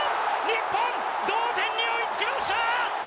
日本、同点に追いつきました！